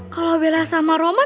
kalau bella sama roman